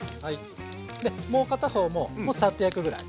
でもう片方もサッと焼くぐらい。